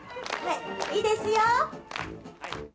いいですよ！